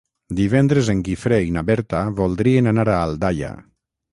Divendres en Guifré i na Berta voldrien anar a Aldaia.